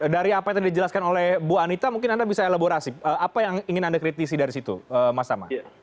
dari apa yang tadi dijelaskan oleh bu anita mungkin anda bisa elaborasi apa yang ingin anda kritisi dari situ mas tama